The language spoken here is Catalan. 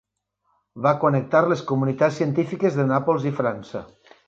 Va connectar les comunitats científiques de Nàpols i França.